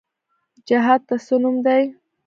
جهاد د څه نوم دی؟